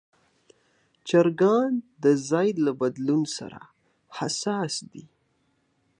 چرګان د ځای له بدلون سره حساس دي.